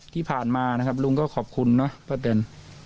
ที่ผ่านมานะครับลุงก็ขอบคุณนะป้าแตน